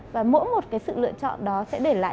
và mỗi một cái sự lựa chọn đó sẽ để lại